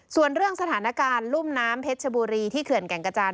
ส่วนเรื่องสถานการณ์รุ่มน้ำเพชรชบุรีที่เขื่อนแก่งกระจาน